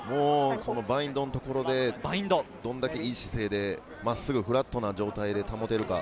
バインドのところでどれだけ良い姿勢で真っすぐフラットな状態で保てるか。